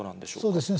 そうですね。